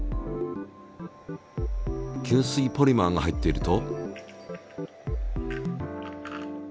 吸水ポリマーが入っていると。